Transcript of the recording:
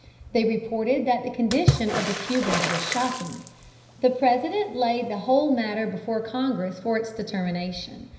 They reported that the condition of the Cubans was shocking. The President laid the whole matter before Congress for its determination.